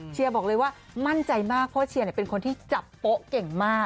บอกเลยว่ามั่นใจมากเพราะเชียร์เป็นคนที่จับโป๊ะเก่งมาก